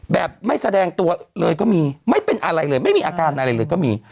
แบบไม่แสดงตัวเลยก็มีไม่เป็นอะไรเลยไม่มีอาการอะไรเลยก็มี